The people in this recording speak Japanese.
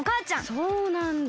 そうなんだ。